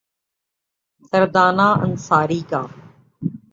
دردانہ انصاری کا